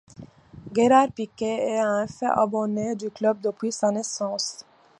Gerard Piqué est en effet abonné du club depuis sa naissance.